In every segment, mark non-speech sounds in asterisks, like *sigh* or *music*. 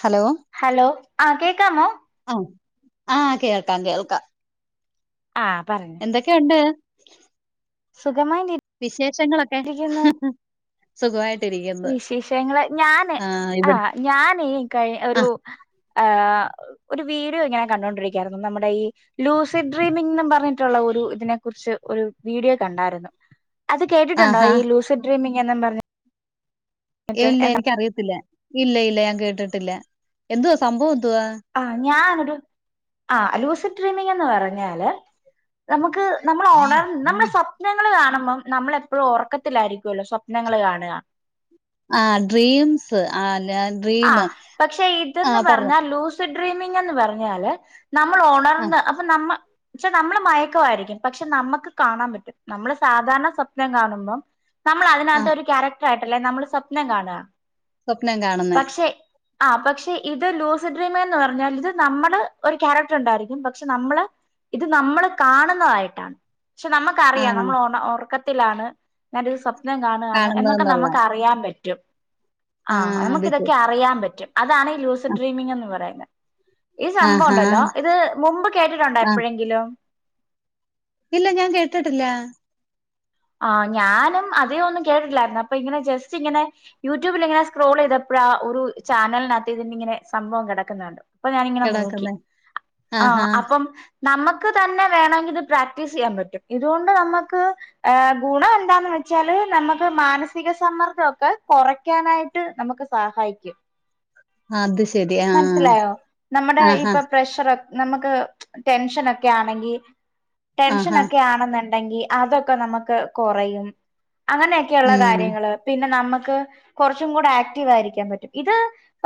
Hello. Hello ആഹ് കേക്കാമോ? അഹ് ആഹ് കേൾക്ക കേൾക്കാം. ആഹ് പറയ് ന്തെക്കൊയുണ്ട് സുഖമായിട്ട് വിശേഷങ്ങളൊക്കെ? ഇരിക്കുന്നു സുഖമായിട്ടിരിക്കുന്നു. വിശേഷങ്ങള് ഞാന് ആഹ് ആ ഇവിടെ ഞാനീ കഴി ഒരു ആഹ് ഏഹ്. ഒരു വീഡ്യോ ഇങ്ങനെ കണ്ടൊണ്ടിരിക്കാണ് നമ്മുടെ ഈ ലൂസി ഡ്രീമിങ്ങ്ന്ന് പറഞ്ഞിട്ടുള്ള ഒരു ഇതിനെ കുറിച്ച് ഒരു വീഡിയോ കണ്ടായിരുന്നു. അത് കേട്ടിട്ടുണ്ടോ ആഹാ ഈ ലൂസി ഡ്രീമിങ്ങെന്ന് പറഞ്ഞ്? ഇല്ല എനിക്കറിയത്തില്ല ഇല്ല ഇല്ല ഞാൻ കേട്ടിട്ടില്ല. എന്തുവാ സംഭവം എന്തുവാ? ആഹ് ഞാനൊരു ആഹ് ലൂസി ഡ്രീമിങ്ങെന്ന് പറഞ്ഞാല് നമുക്ക് നമ്മൾ ഓണർ നമ്മള് സ പ്നങ്ങൾ കാണുമ്പം നമ്മളെപ്പഴും ഒറക്കത്തിലായിരിക്കോല്ലോ സ്വപ്നങ്ങൾ കാണാ. ആഹ് ഡ്രീംസ് ആഹ് ല്ലാൻ ആഹ് പക്ഷെ ഇതെന്ന് പർഞ്ഞാ ലൂസ് സ് ഡ്രീമിങ്ങെന്ന് പറഞ്ഞാല് നമ്മൾ ആഹ് ഒണർന്ന് അപ്പം നമ്മ ച്ച നമ്മള് മയക്കവായിരിക്കും. പക്ഷെ നമ്മക്ക് കാണാൻ പറ്റും. നമ്മള് സാധാരണ സ്വപ്നം കാണുമ്പം ആഹ് നമ്മളതിനകത്തൊരു ക്യാരക്ടറായിട്ടല്ലേ നമ്മൾ സ്വപ്നം കാണാ. സ്വപ്നം കാണും. പക്ഷേ ആഹ് പക്ഷെ ഇത് ലൂസ് ഡ്രീമ്ന്ന് പറഞ്ഞാൽ ഇത് നമ്മള് ഒരു ക്യാരക്ടറുണ്ടായിരിക്കും. പക്ഷെ നമ്മള് ഇത് നമ്മള് കാണുന്നതായിട്ടാണ്. പക്ഷെ നമ്മക്കറിയാം ആഹ് നമ്മളോണ ഒറക്കത്തിലാണ് ഞാനൊരു സ്വപ് നം കാണാണ് എന്നൊക്കെ കാണുന്നതെന്നുള്ള നമുക്ക് അറിയാൻ പറ്റും. ആഹ് അത് ശരി നമുക്കിതൊക്കെ അറിയാൻ പറ്റും. അതാണ് ഈ ലൂസ് ആ, ഡ്രീമിംഗ് എന്ന് പറയുന്നെ. ഈ സംഭവം ആഹാ ഉണ്ടല്ലോ ഇത് മുമ്പ് കേട്ടിട്ടുണ്ടോ ആഹ് എപ്പഴെങ്കിലും? ഇല്ല ഞാൻ കേട്ടിട്ടില്ല. ആഹ് ഞാനും അധിക ഒന്നും കേട്ടിട്ടില്ലായിരുന്നു. അപ്പൊ ഇങ്ങനെ ജസ്റ്റ് ഇങ്ങനെ യൂട്യൂബിൽ ഇങ്ങനെ സ്ക്രോൾ ചെയ്തെപ്പഴാ ഒരു ചാനലിനകത്ത് ഇത് നിങ്ങനെ സംഭവം കിടക്കുന്ന കണ്ടു. അപ്പം ഞാനിങ്ങനെ നോക്കി. കിടക്കുന്നേ ആഹാ ആഹ് അപ്പം നമക്ക് തന്നെ വേണമെങ്കി ഇത് പ്രാക്ടീസ് ചെയ്യാൻ പറ്റും. ഇതുകൊണ്ട് നമക്ക് ഏഹ് ഗുണം എന്താന്ന് വെച്ചാല് നമുക്ക് മാനസിക സമ്മർദ്ദവൊക്കെ കുറയ്ക്കാനായി ട്ട് നമുക്ക് സഹായിക്കും. ആ, അത് ശരി ആഹ് മൻസിലായോ? നമ്മുടെ ആഹാ ഇപ്പൊ പ്രഷർ ഒ നമുക്ക് ടെൻഷനൊക്കെ ആണെങ്കി ആഹാ ടെൻഷനൊക്കെ ആണെന്നുണ്ടെങ്കി അതൊ ക്കെ നമക്ക് കൊറയും അങ്ങനെയൊക്കെയുള്ള ഉം കാര്യങ്ങള്. പിന്നെ നമ്മക്ക് കൊറച്ചും കൂടെ ആക്റ്റീവ് ആയിരിക്കാൻ പറ്റും. ഇത്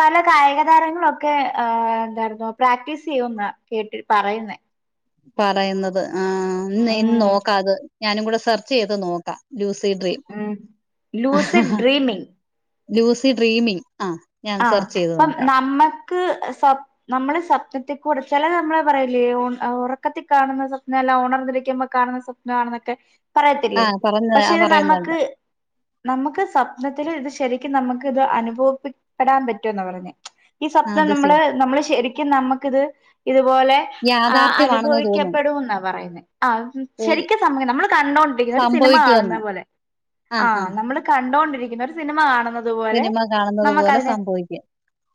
പല കായിക താരങ്ങളൊക്കെ ഏഹ് എന്തായിരുന്നു പ്രാക്ടീസ് ചെയ്യുംന്നാ കേട്ട് പറയുന്നേ. പറയുന്നത്. ആഹ് ഇന്ന് ഇന്ന് ഉം നോക്കാ അത്. ഞാനും കൂടെ സെർച്ച് ചെയ്ത് നോക്കാ. ലൂസി ഡ്രീം ഉം ലൂസിഡ് ഡ്രീമിങ് ലൂസി ഡ്രീമിങ് ആഹ്. ആഹ് അപ്പം നമ്മക്ക് സ്വ നമ്മള് സപ്നത്തി കൂടെ, ചെലത് നമ്മള് പറയുല്ലേ ഒണ് ഒറക്കത്തി കാണുന്ന സപ്ന എല്ലാം ഒണർന്നിരിക്കുമ്പ കാണുന്ന സ്വ പ്‌നാണെന്നൊക്കെ ആ പറയത്തില്ലേ. പറഞ്ഞ പക്ഷെ ആ അത് പറയുന്നുണ്ട് നമ്മക്ക് നമുക്ക് സ്വപ്നത്തില് ഇത് ശരിക്കും നമുക്ക് ഇത് അനുഭവപി പ്പെടാൻ പറ്റുംന്നാ പറഞ്ഞെ. ഈ ആ, സപ്നം അത് നമ്മള് ശരി നമ്മള് ശരിക്കും നമ്മക്കിത് ഇതുപോലെ ആഹ് യാഥാർത്ഥ്യമാണെന്ന് തോന്നുന്നു അനുഭവിക്കപ്പെടും ന്നാ പറയുന്നെ. ആഹ് പോയി ശരിക്കും സമയം നമ്മൾ കണ്ടോണ്ടിരിക്കുന്നു. ഒരു സിനിമ സംഭവിക്കുമെന്ന് കാണുന്ന പോലെ. ആ ആ ആഹ് നമ്മള് കണ്ടോണ്ടിരിക്കുന്നു ഒരു സിനിമ കാണുന്നത് പോലെ. അതുപോലെ സംഭവിക്കും.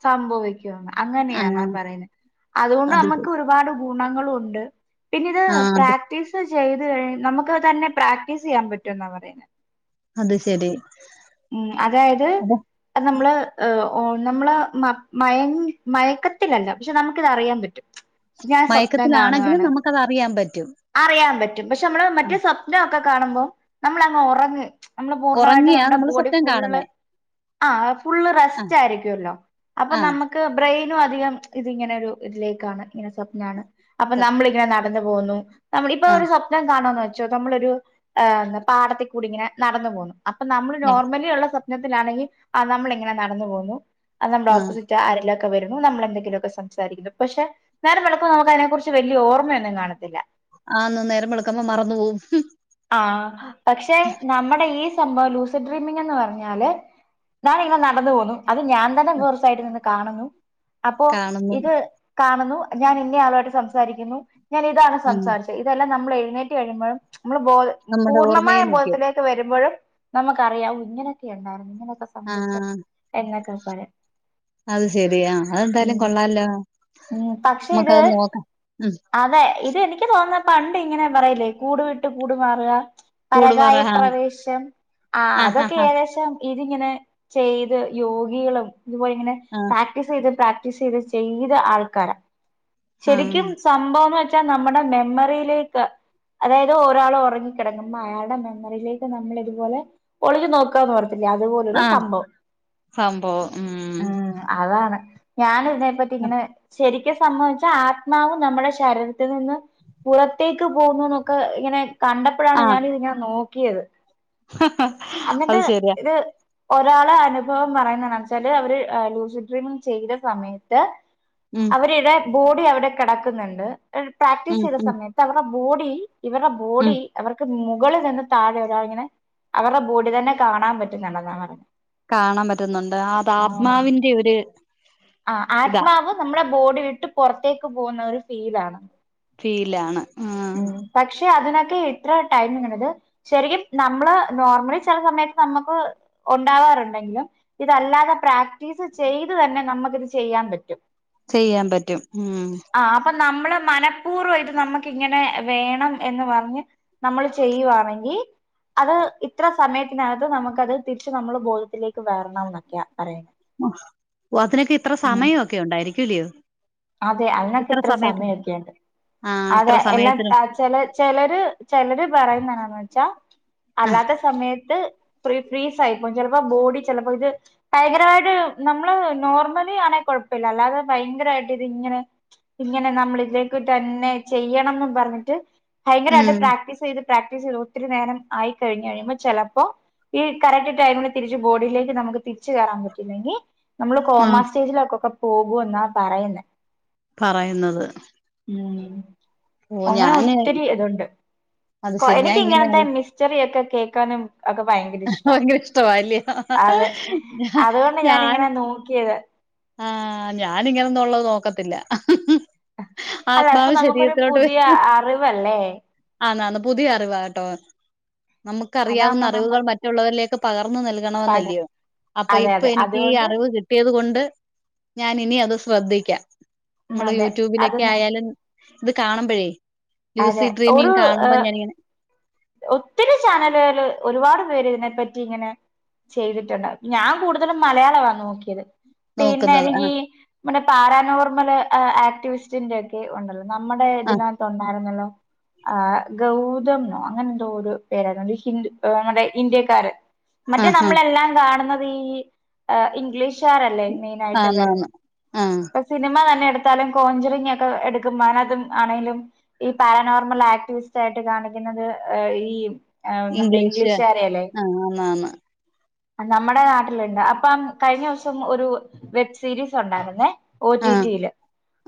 സംഭവിക്കും ന്ന്. ആ അങ്ങനെയാന്നാ പറയുന്നെ. അതുകൊണ്ട് അത് ശരി നമുക്ക് ഒരുപാട് ഗുണങ്ങളു ഉണ്ട്. പിന്നിത് ആ അത് പ്രാക് ടീസ് ചെയ്ത് കഴി നമുക്ക് തന്നെ പ്രാക്ടീസ് ചെയ്യാൻ പറ്റുംന്നാ പറയുന്നെ. അത് ശരി ഉം അതായത് അപ്പൊ ഇപ്പം നമ്മള് ഏഹ് ഓ നമ്മള് മ മയങ് മയക്കത്തിലല്ല പക്ഷെ നമുക്കിതറിയാൻ പറ്റും. ഞാൻ സ്വപ്നം കാണാണ്. ക്കതറിയാൻ പറ്റും. അറിയാൻ പറ്റും പക്ഷെ മ്മള് ആ മറ്റേ സ്വപ്നോക്കെ കാണുമ്പോ നമ്മളങ് ഒറങ് നമ്മള് പൂർണ്ണമായിട്ട് ഉറങ്ങിയാ നമ്മുടെ നമ്മൾ ബോഡി സ്വപ്നം ഫുള്ള് കാണുന്നേ ആഹ് ഫുള്ള് ആ റെസ്റ്റ് ആയിരിക്കോല്ലോ അപ്പൊ ആ നമു ക്ക്‌ ബ്രെയിനും അധികം ഇത്ങ്ങനെ ഒരു ഇതിലേക്കാണ് ഇങ്ങനെ സ്വപ്നാണ് അപ്പൊ സ്വപ് നമ്മളിങ്ങനെ പ്പന്നെ പോന്നു നമ്മള ഇപ്പൊ ആ ഒരു സ്വപ്നം കാണോന്നൊച്ചു നമ്മളൊരു ഏഹ് പാടത് കൂടി ഇങ്ങനെ നടന്നു പോന്നു അപ്പൊ നമ്മള് നട നോർമലി ഉള്ള സ്വപ്നത്തിലാണെങ്കിഅഹ് നമ്മളിങ്ങനെ നടന്നു പോന്നു *unintelligible* ആ ഓപ്പോസിറ്റ് അരിലൊക്കെ വരുന്നു നമ്മളെന്തെങ്കിലൊക്കെ സംസാരിക്കുന്നു പക്ഷെ നേര *unintelligible* കുറിച്ച് വല്യ ഓർമ്മയൊന്നും കാണത്തില്ല ആന്ന് നേരം വെള്ക്കുമ്പ മറന്നു പോവും ആഹ് പക്ഷെ നമ്മുടെ ഈ സംഭവം ലൂസ ഡ്രീമിംഗ് ന്ന് പറഞ്ഞാല് ഞാനിങ്ങനെ നടന്നു പോന്നു അത് ഞാൻ തന്നെ *unintelligible* നിന്ന് കാണുന്നു അപ്പോ കാണുന്നു ഇത് കാണുന്നു ഞാൻ ഇന്ന ആളുമായിട്ട് സംസാരിക്കുന്നു ഞാൻ ഇതാണ് ഉം സംസാരിച്ചത് ഇതെല്ലാം നമ്മൾ എഴുന്നേറ്റി കഴിയുമ്പോഴും മ്മള് ബോൾ നമ്മുടെ ഓർമ്മയിൽ പൂർണ്ണമായും നിക്കും. ബോധത്തില് ത്ത് വരുമ്പോഴും നമുക്കറിയാം ഇങ്ങനൊക്കെ ഉണ്ടായിരുന്നു ഇങ്ങനൊക്കെ സംഭവിച്ചാം ആഹ് എന്നൊക്കെ പറയാം അത് ശെരിയാ അഎന്തായാലും ഉം കൊള്ളാലോ ഉം പക്ഷെ ഇത് നമ്മക്കത് നോക്കാം ഉം അതെ ഇത് എനിക്ക് തോന്നാ പണ്ട് ഇങ്ങനെ പറയിലേ കൂടു വിട്ട് കൂടു മാറ്അ കൂടുപറ പരകായ ആഹ് പ്രവേശം ആഹ് അതൊക്കെ ഏകദേശം ഇതിങ്ങനെ ചെയ്ത് യോഗികളും ഇതുപോലെ ഇങ്ങനെ ആഹ് പ്രാ ക്ടീസ് ചെയ്ത് പ്രാക്ടീസ് ചെയ്ത് ചെയ്ത ആൾക്കാരാ ശരിക്കും ആഹ് സംഭവാന്നച്ചാ നമ്മുടെ മെമ്മറിയിലേക്ക് അതായ ത് ഒരാള് ഒറങ്ങിക്കിടക്കുമ്പോ അയാളുടെ മെമ്മറിയിലേക്ക് നമ്മള് ഇതുപോലെ ഒളുഞ്ഞി നോക്കാന്ന് പറത്തില്ല അതുപോ ഒരു ആഹ് സംഭവം സംഭവം ഉം ഉം അതാണ് ഞാന് നെ പറ്റി ഇങ്ങനെ ശരി ക്ക്‌ സംഭവംച്ചാ ആത്മാവും നമ്മുടെ ശരീരത്തിൽ നിന്ന് പുറത്തേക്ക് പോകുന്നുന്നൊക്കെ ഇങ്ങനെ കണ്ടപ്പോളാണ് ആഹ് ഞാന് ഇത്ങ്ങനെ നോക്കിയത് അത് അങ്ങട്ട് ശരിയാ ഇത് ഒരാളെ അനുഭവം പറയുന്ന എന്നാ വെച്ചാല് അവര് ലൂസി ഡ്രീമിങ് ചെയ്ത സമയത്ത് ഉം അവരുടെ ബോഡി അവിടെ കടക്കുന്നുണ്ട് പ്രാക്ടീസ് ഉം ചെയ്ത ഉം സമയത്ത് അവടെ ബോഡി ഇവരുടെ ഉം ബോഡി അവർക്ക് മുകളിൽ നിന്ന് താഴെ ഒരാളിങ്ങനെ അവരുടെ ബോഡി തന്നെ കാണാൻ പറ്റുന്നുണ്ടെന്നാ പറഞ്ഞ കാണാൻ പറ്റുന്നുണ്ട് അത് ആത്മാവിന്റെ ഒരു ഇതാ നമ്മളെ ബോഡി വിട്ട് പുറത്തേക്ക് പോന്ന ഒരു ഫീലാണ് ഫീലാണ് ആഹ് ഉം പക്ഷെ അതിനൊക്കെ ഇത്ര ടൈമിങന്നത് ശരിക്കും നമ്മള് നോർമലി ചില സമയത്ത് നമുക്ക് ഉണ്ടാവാറുണ്ടെങ്കിലും ഇതല്ലാതെ പ്രാക്ടീസ് ചെയ്ത് തന്നെ നമ്മക്ക് ഇത് ചെയ്യാൻ പറ്റും ചെയ്യാൻ പറ്റും ഉം ആഹ് അപ്പൊ നമ്മള് മനഃപൂർവ്വം ഇത് നമ്മക്ക് ഇങ്ങനെ വേണം എന്ന് പറഞ്ഞ് നമ്മൾ ചെയ്യുവാണെങ്കി അത് ഇത്ര സമയ ത്തിനകത്ത് നമുക്ക് അത് തിരിച്ച് നമ്മളെ ബോധത്തിലേക്ക് വരണം എന്നൊക്കെയ പറയന്നെ ഉം *unintelligible* ഉണ്ടായിരിക്കൂല്ലയോ അതെ അങ്ങക്ക് ഇത്ര സമയൊക്കെയുണ്ട് ആഹ് അതെ ഇത്ര എല്ലാം സമയത്തിന് ചെല ചെലര് ചെലര് പറയുന്ന എന്നാന്ന് വെച്ചാ അല്ലാത്ത സമയത്ത് ഫ്രീ ഫ്രീസായിപ്പോവും ചെലപ്പോ ബോഡി ചെലപ്പോ ഇത് ഭയങ്കരമായിട്ട് നമ്മള് നോർമലി ആണെ കൊഴപ്പല്ല അല്ലാതെ ഭയങ്കരായി ഇത്ങ്ങനെ ഇങ്ങനെ നമ്മള് ഇതിലേക്ക് തന്നെ ചെയ്യണംന്ന് പറഞ്ഞിട്ട് ഭയങ്കരമായിട്ട് ഉം പ്രാക്ടീസ് ചെയ്ത് പ്രാക്ടീസ് ചെയ്ത് ഒത്തിരി നേരം ആയി കഴിഞ്ഞ് കഴിയുമ്പോ ചെലപ്പോ ഈ കറക്റ്റ് ടൈമിന് തിരിച്ച് ബോഡിയിലേക്ക് നമുക്ക് തിരിച്ച് കയറാൻ പറ്റിയില്ലെങ്കി നമ്മള് കോമാ ആഹ് സ്റ്റേജിലൊക്കൊക്കെ പോകൂന്നാ പറയുന്നെ പറയുന്നത് ഉം ഓ അങ്ങനെ ഞാന് ഒത്തിരി ഇതുണ്ട് അത് ശരി ഞാൻ എനിക്ക് ഇങ്ങനെ ഇങ്ങനത്തെ മി സ്റ്ററിയൊക്കെ കേക്കാനും ഒക്കെ ഭയങ്കര ഇഷ്ടാ ഭയങ്കര ഇഷ്ടവാ അല്ലേ അതെ ഞാ അതുകൊണ്ട് ഞാൻ ഞാനിങ്ങനെ നോക്കിയത് ആഹ് ഞാനിങ്ങനൊന്നും ഉള്ളത് നോക്കത്തില്ല അല്ല ഇപ്പൊ ആത്മാവ് നമുക്കൊരു പുതിയ അറിവല്ലേ ആന്ന് ആന്ന് പുതിയ അറിവാട്ടോ നമുക്ക് അറിയാവുന്ന അതാകുമ്പോ നമ്മ അറിവുകൾ മ റ്റുള്ളവരിലേക്ക് പകർന്നു പക നൽകണമെന്നല്ലയോ അപ്പൊ അതെ ഇപ്പൊ അതെ എനിക്ക് ഈ അതുകൊണ്ട് അറിവ് കിട്ടിയത് കൊണ്ട് ഞാന് ഇനി അത് ശ്രദ്ധിക്കാം ഉം നമ്മള് അതെ അത് യൂട്യൂബിലൊക്കെ ന ആയാലും ഇത് കാണുമ്പഴേ ലൂസി അതെ ഡ്രീമി ഒരു കാണുമ്പോ ഏഹ് ഞാനിങ്ങനെ ഒത്തിരി ചാനലുകള് ഒരുപാട് പേര് ഇതിനെപ്പറ്റി ഇങ്ങനെ ചെയ്തിട്ടുണ്ട് ഞാൻ കൂടുതലും മലയാളമാ നോക്കിയത് പിന്നെ നോക്കുന്നത് എനിക്ക് ആഹ് ഈ പാരാനോർമല് ആ ആക്ടിവിസ്റ്റിൻ്റെ ഒക്കെ ഉണ്ടല്ലോ നമ്മുടെ ആഹ് ഇതിനകത്ത് ഉണ്ടായിരുന്നല്ലോ ആഹ് ഗൗതം നോ അങ്ങനെ എന്തോ ഓര് പേരാണ് ഹിന്ദു നമ്മുടെ ഇന്ത്യക്കാരൻ മറ്റേ ആഹ് ആഹ് നമ്മളെല്ലാം കാണുന്നത് ഈ ആഹ് ഇംഗ്ലീഷ് ചാരല്ലേ മെയിനായിട്ട് വരുന്ന ആന്നാന്ന് ആഹ് സിനിമ തന്നെ എടുത്താലും കോഞ്ചറിംഗ് ഒക്കെ എടുക്കും മാനതും ആണെങ്കിലും ഈ പാരാനോർമൽ ആക്ടിവിസ്റ്റ് ആയിട്ട് കാണിക്കുന്നത് ഈ ആഹ് നമ്മുടെ ഇംഗ്ലീഷ് ഇംഗ്ലീഷ്കാരയല്ലേ ആഹ് ആന്നാന്ന് നമ്മടെ നാട്ടില്ണ്ട് അപ്പം കഴിഞ്ഞ ദിവസം ഒരു വെബ് സീരീസ് ഒണ്ടാരുന്നേ ഓ ആഹ് റ്റിറ്റിയില്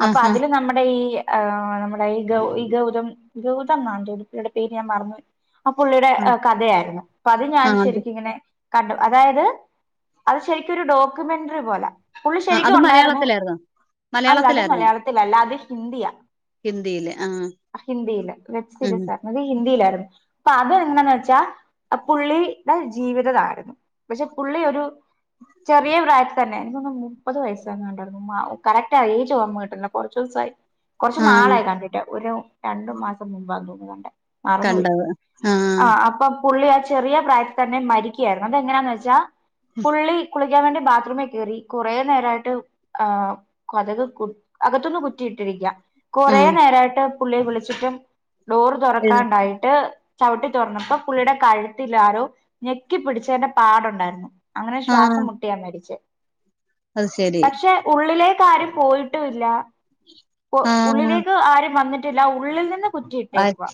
അപ്പ ആഹ് ആഹ് അതില് നമ്മുടെ ഈ ആഹ് നമ്മുടെ ഈ ഗൗ ഈ ഗൗതം ഗൗതം എന്നാന്ന് തോന്നുന്നു *unintelligible* ടെ പേര് ഞാൻ മറന്നു പോയി ആ പുള്ളിയുടെ ആഹ് കഥയായിരുന്നു അപ്പൊ അത് ഞാൻ ആഹ് അത് ശരിക്കിങ്ങനെ കണ്ടു അതായത് അത് ശരിക്കും ഒരു ഡോക്യുമെന്ററി പോല പുള്ളി ആഹ് അത് ശരിക്കും ഉണ്ടായിരുന്നു മലയാളത്തിലായിരുന്നോ? അല്ലാ അത് മലയാളത്തിലായിരുന്നോ? മലയാളത്തില അല്ല അത് ഹിന്ദിയാ ഹിന്ദിയിലെ ആഹ് ഹിന്ദിയില് ഉം *unintelligible* അത് ഹിന്ദിയിലായിരുന്നു അപ്പ അതെന്താന്ന് വെച്ചാ പുള്ളിയുടെ ജീവിതതായിരുന്നു പക്ഷെ പുള്ളി ഒരു ചെറിയ പ്രായത്തി തന്നെ എനിക്കൊന്നുന്നു മുപ്പത് വയസങ്ങാണ്ടണെ ഉം കറക്റ്റാ ഏജ് ഓർമ കിട്ടുന്നില്ല കൊറച്ച് ദിവസായി കൊറച്ച് ആഹ് നാളായി കണ്ടിട്ടേ ഒരു രണ്ടു മാസം മുമ്പാന്ന് തോന്നുന്നു കണ്ടേ മറന്നുപോയി ആഹ് അപ്പം പുള്ളി ആ ചെറിയ പ്രായത്തി തന്നെ മരിക്കുകയായിരുന്നു അതെങ്ങനാന്ന് വെച്ചാ പുള്ളി കുളി കുളിക്കാൻ വേണ്ടി ബാത്റൂമി കയറി കുറേ നേരായിട്ട് ആ കൊതത് കു അകത്തൊന്ന് കുറ്റിയിട്ടിരിക്കാ കൊറേ ആഹ് നേരായിട്ട് പുള്ളിയെ വിളിച്ചിട്ടും ഡോറ് എഴു തുറക്കാണ്ടായിട്ട് ചവിട്ടി തുറന്നപ്പോ പുള്ളിയുടെ കഴുത്തിലാരോ ഞെക്കി പിടിച്ചതിന്റെ പാടുണ്ടായിരുന്നു അങ്ങനെ ആഹ് ശ്വാസം മുട്ടിയ മരിച്ചേ അത് ശരി പക്ഷെ ഉള്ളിലേക്ക് ആരും പോയിട്ടൂല്ല ഉ ആഹ് ഉള്ളിലേക്ക് ആരും വന്നിട്ടില്ല ഉള്ളിൽ നിന്ന് കുറ്റിയിട്ടേക്കുവാ അത്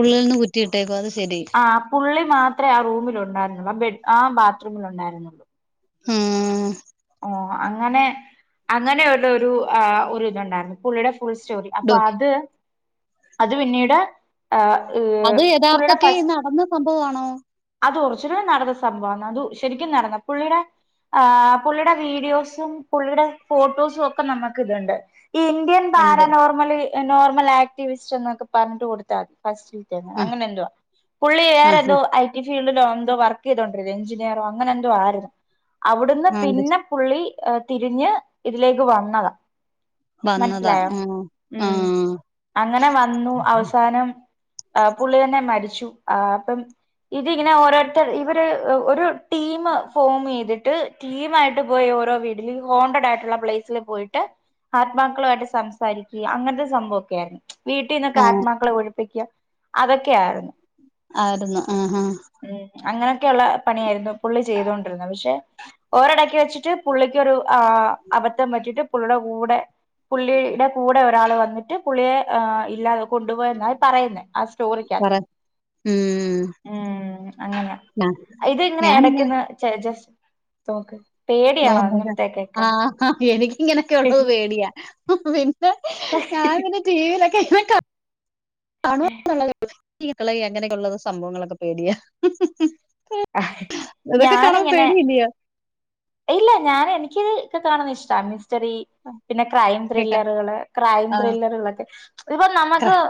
ഉള്ളിൽ നിന്ന് കുറ്റി ഇട്ടേക്കുവാ അത് ശരി ആ പുള്ളി മാത്രേ ആ റൂമില് ഉണ്ടായിരുന്നുള്ളൂ ആ ബെ ആ ബാത്റൂമില് ഉണ്ടായിരുന്നുള്ളൂ ഉം ഓ അങ്ങനെ അങ്ങനെ ഒരു ഒരു ഇതുണ്ടായിരുന്നു പുള്ളിയുടെ ഫുൾ സ്റ്റോറി അപ്പൊ ഡു അത് അത് പിന്നീട് ആ പുള്ളീട ഫസ് സംഭവം ആണോ അത് ഒർജിനൽ നടന്ന സംഭവാന്ന് അത് ശരിക്കും നടന്ന പുള്ളിയുടെ ആ പുള്ളിയുടെ വീഡിയോസും പുള്ളിയുടെ ഫോട്ടോസും ഒക്ക നമക്ക ഇത്ണ്ട് ഈ ഇന്ത്യൻ ഉണ്ട് പാരനോർമല് നോർമൽ ആക്ടിവിസ്റ്റ് എന്നൊക്ക പർഞ്ഞിട്ട് കൊടുത്താ മതി ഫസ്റ്റ് ആഹ് അങ്ങനെന്തുവാ പുള്ളി വേറേ ആഹ് എതോ ഐ റ്റി ഫീൽഡിലോ എന്തോ വർക്ക് ചെയ്തോണ്ടിരുന്ന എഞ്ചിനീയറോ അങ്ങനെ എന്തോ ആര്ന്നു അവ്ട്ന്ന് ആഹ് പിന്നെ പുള്ളി തിരിഞ്ഞ് ഇതിലേക്ക് വന്നതാ വന്നതാ മൻസിലായോ ആഹ് ഉം ആഹ് അങ്ങനെ വന്നു അവസാനം ആ പുള്ളി തന്നെ മരിച്ചു ആ അപ്പം ഇതിങ്ങനെ ഓരോര്ത്തര് ഇവര് ഒരു ടീമ് ഫോമ് ചെയ്തിട്ട് ടീമായിട്ട് പോയ് ഓരോ വീട്ടില് ഈ ഹോണ്ടഡ് ആയിട്ടുള്ള പ്ലെയിസില് പോയിട്ട് ആത്മാക്കളുമായിട്ട് സംസാരിക്ക് അങ്ങൻത്തെ സംഭവൊക്കെ ആയിരുന്നു വീട്ടിന്നൊക്ക ആഹ് ആത്മാക്കളെ ഒഴിപ്പിക്ക അതൊക്കെ ആയിരുന്നു ആയിരുന്നു ആ ആ ഉം അങ്ങനെയേക്കെ ഇള്ള പണിയായിരുന്നു പുള്ളി ചെയ്തൊണ്ടിരുന്നത് പക്ഷെ ഓരടക്ക് വെച്ചിട്ട് പുള്ളിക്കൊരു ആ അബദ്ധം പറ്റിയിട്ട് പുള്ളിയുടെ കൂടെ പുള്ളി ടെ കൂടെ ഒരാള് വന്നിട്ട് പുള്ളിയെ ഇല്ലാതെ കൊണ്ടുപോയെന്നാ ഈ പറയുന്നെ പറ ഉം ഉം അങ്ങനെ ഇത് ഇങ്ങനെ ഞാനിങ്ങനെ എടക്കന്ന് ജ ജസ്റ്റ് നോക്ക് നോ പേടിയാണോ *unintelligible* ഇങ്ങനത്തെ ആ കേക്കാണ് എനിക്കിങ്ങനൊക്കെ ഒള്ളത് പേടിയാ പി ആഹ് ടിവിലൊക്കെ ഇങ്ങനെ ക കാണു *unintelligible* എങ്ങനെക്കെള്ളത് സംഭവങ്ങളൊക്ക പേടിയാ അതൊക്ക കാണാം ഞാനിങ്ങനെ പേടിയില്ലിയോ ഇല്ല ഞാന് എനിക്ക് ഇതൊക്കെ കാണുന്ന ഇഷ്ട അൺ മിസ്റ്ററി പിന്നെ ക്രൈം കേക്കാ ത്രില്ലറുകള് ക്രൈം ആ ത്രില്ലറുകളൊക്കെ ഇപ്പോ നമക്ക് ക്ര-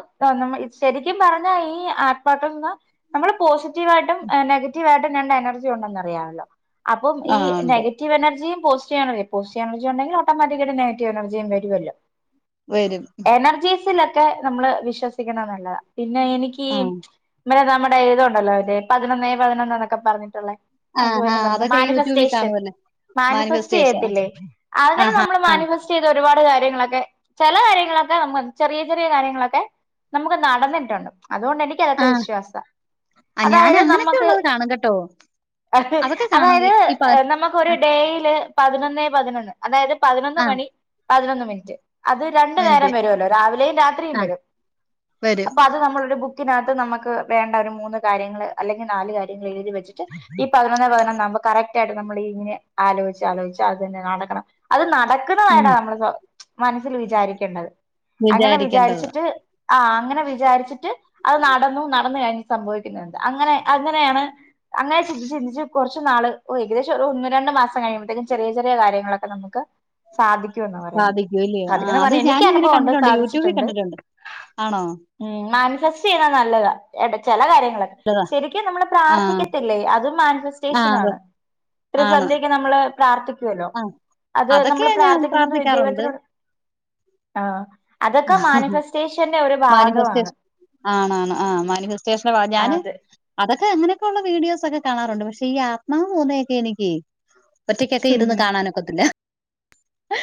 ശരിക്കും പറഞ്ഞാ ഈ ആത്മാകൾ നിന്ന് നമ്മള് പോസിറ്റീവ് ആയിട്ടും നെഗ റ്റീവ് ആയിട്ടും രണ്ട് എനർജി ഉണ്ടെന്ന് അറിയാവല്ലോ അപ്പം ഈ ആ ഉണ്ട് നെഗ റ്റീവ് എനർജിം പോസ്റ്റീവ് എനർജിം പോസ്റ്റീവ് എനർജി ഉണ്ടെില് ഓട്ടോമാറ്റിക്കായിട്ട് നെഗറ്റീവ് എനർജിം വരുവല്ലോ വരും എനർജീസ് ലോക്കെ നമ്മള് വിശ്വസിക്ക്ണ നല്ലത പിന്നെ എനിക്ക് ആ ഇമ്മ *unintelligible* ഇത് നമ്മുടെ ഇതുണ്ടല്ലോ ഇത് പതിനൊന്നെ പതിനൊന്ന് ന്നൊക്കെ പറഞ്ഞിട്ട്ള്ളേ ആ അയ്യോ ആ എന്നെ പർ *unintelligible* അതൊക്കെ ഈ യൂട്യൂബിൽ മാനുഫസ്റ്റേഷൻ കാണുമല്ലേ മാനുഫെസ്സ് മാനിഫെസ്റ്റേഷൻ ചെയ്യത്തില്ലേ അങ്ങനെ ആഹാ നമ്മള് മാനിഫെസ് ചെയ്ത ഒരുപാട് കാര്യങ്ങളൊക്കെ ചെല കാര്യങ്ങളൊക്കെ നമ്മ ചെറിയ ചെറിയ കാര്യങ്ങളൊക്കെ നമുക്ക് നടന്നിട്ടുണ്ട് അതുകൊണ്ട് എനിക്ക് ആ ഇതൊക്കെ വിശ്വാസ ആ, ഞാൻ അതായത് നമ്മ അങ്ങനൊക്കെ ഉള്ളത് കാണും കേട്ടോ അഹ് അതൊക്കെ കാണും അതായത് ഈ- ഈ പ- നമ്മ ഒരു ആ, ഡേയില് പതിനൊന്നെ പതിനൊന്ന് അതായത് പതിനൊന്ന് ആ മണി പതിനൊന്ന് മിനിറ്റ് അത് രണ്ട് എന്ത് നേരം വരോല്ലോ രാവിലേം രാത്രിയും ആ വെരും വരും അപ്പൊ അത് നമ്മളൊരു ബുക്ക് കിനത്ത് നമക്ക് വേണ്ട ഒരു മൂന്ന് കാര്യങ്ങള് അല്ലങ്കിൽ നാല് കാര്യങ്ങൾ എഴുതി വെച്ചിട്ട് ഈ പ *unintelligible* കറക്റ്റായിട്ട് നമ്മൾ ഈ ങ്ങനെ ആലോച്ച് ആലോച്ച് അത് ന്നെ നടക്കണം അത് നടക് ക്ക്ണാ നേരാ ഉം, നമ്മള് സൊ മനസ്സിൽ വിചാരിക്കേണ്ടത് അങ്ങനെ വിചാരിക്കേണ്ടത് വിചാരിച്ചിട്ട് ആ അങ്ങനെ വിചാരിച്ചിട്ട് അത് നടന്നു നടന്ന് കഴിഞ്ഞ് സംഭവിക്ക്ന്ന്ണ്ട് അങ്ങനെ അങ്ങനെയാണ് അങ്ങനെ ചന്തിച് ചിന്തിച്ച് കൊറച്ച് നാള് ഒ ഏകദേശം ഒരു ഒന്ന് രണ്ട് മാസം കഴിയുമ്പോഴത്തേക്കും ചെറിയ ചെറിയ കാര്യങ്ങളൊക്കെ നമ്ക്ക് സാധിക്കൂന്ന്റയുന്ന് സാധിക്കും ഇല്ലയോ ആ സാധിക്ക്ന്ന അത് പണി എനിക്ക് ഞാനും ഇങ്ങനെ അനുഭവോണ്ട് കണ്ടിട്ടുണ്ട് യൂട്യൂബിൽ സാധിച്ചിട്ടുണ്ട് കണ്ടിട്ടുണ്ട് ആണോ മ് മാനിഫെസ്സെയ്യ്ണ നല്ലതാ എട ചെല കാര്യങ്ങൾ ശെരിക്കും നമ്മള് ആ പ്രാർത്ഥിക്കത്തില്ലേ അതും ആ അത് മാനിഫെസ്റ്റേഷനാണ് ഇത്ര ആണ് സന്ധ്യക്ക് നമ്മള് പ്രാർത്ഥിക്കൊല്ലോ ആ അത് നമ്മൾ അതൊക്കെ ഞാൻ പ്രാർത്ഥിക്ക്ന്നത് പ്രാർത്ഥിക്കാറുണ്ട് ദൈവത്തിനോട് ആ അതൊക്കെ മാനിഫെസ്റ്റേഷന്റെ ഒരു ഭാഗമാണ് ആണാ ണ് ആ മാനിഫസ്റ്റേഷള ഞാാന് അത് അതൊക്കെ അങ്ങനെയൊക്കെയുള്ള വീഡിയോസൊക്കെ കാണാറുണ്ട് പക്ഷേ ഈ ആത്മാവ് ഭൂദൊക്കെ നിക്ക് ഒറ്റക്കൊക്കെ ഇരുന്ന് കാണാനൊക്കത്തില്ല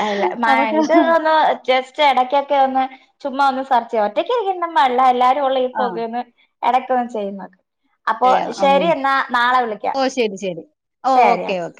അല്ലെ മായ് അതൊക്കെ ഇത് ഒന്ന് ജെസ് ചെ എടക്കെക്കെ ഒന്ന് ചുമ്മാ ഒന്ന് സെർച്ചെയ ഒറ്റക്കീ *unintelligible* എല്ലാരൊള്ള ഈ ആ പൊകേന്ന് എടയ്ക്കോന് ചെയ്യ്ന്നത് അപ്പൊ ശരിയാണ് ശെരി ഉം എന്നാ നാളെ വിളിക്കാം ഓ ശരി ശരി ഓ ശെരി ഓക്കെ ഓക്കെ